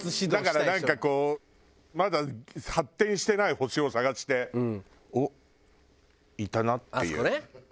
だからなんかこうまだ発展してない星を探して「おっ！いたな」っていう。